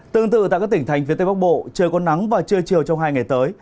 tương tự tại các tỉnh thành phía tây bắc bộ trời có nắng vào trưa chiều trong hai ngày tới